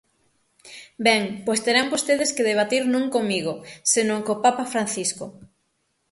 Ben, pois terán vostedes que debater non comigo, senón co Papa Francisco.